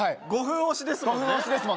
５分押しですもんね